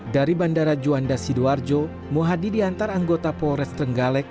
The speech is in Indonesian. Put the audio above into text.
dari bandara juanda sidoarjo muhadi diantar anggota polres trenggalek